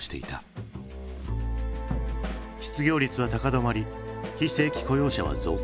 失業率は高止まり非正規雇用者は増加。